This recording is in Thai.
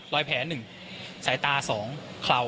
รอยแผลนึงสายตาสองคล่าว